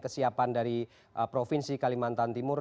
kesiapan dari provinsi kalimantan timur